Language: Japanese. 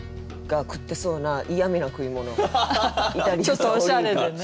ちょっとおしゃれでね。